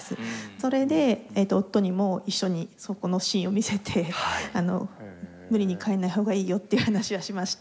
それで夫にも一緒にそこのシーンを見せて無理に帰んないほうがいいよっていう話はしました。